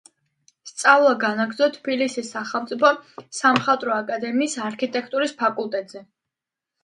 სწავლა განაგრძო თბილისის სახელმწიფო სამხატვრო აკადემიის არქიტექტურის ფაკულტეტზე.